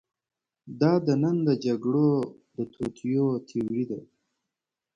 دا د نن د جګړو د توطیو تیوري ده.